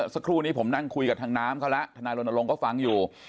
สักครู่นี้ผมนั่งคุยกับทางน้ำเขาแล้วทนายรณรงค์ก็ฟังอยู่